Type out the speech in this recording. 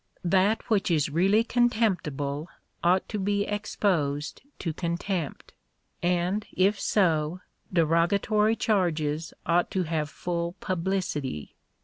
That which is really contemptible ought to be exposed to con tempt; and, if so, derogatory charges ought to have full publicity.